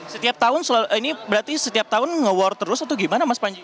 setiap tahun ini berarti setiap tahun nge wor terus atau gimana mas panji